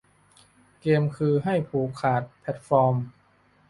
เกมคือไปผูกขาดแพลตฟอร์ม